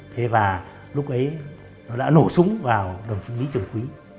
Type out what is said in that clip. thế và lúc ấy nó đã nổ súng vào đồng chí lý trường quý